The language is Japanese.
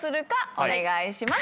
お願いします。